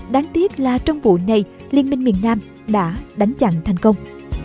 đáng tiếc là trong vụ này liên minh miền nam đã đánh chặn thành công